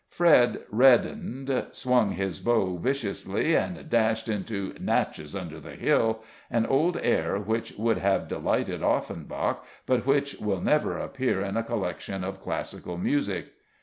Fred reddened, swung his bow viciously, and dashed into "Natchez Under the Hill," an old air which would have delighted Offenbach, but which will never appear in a collection of classical music.